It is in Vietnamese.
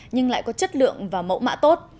nhưng lại có chất lượng và mẫu mạ tốt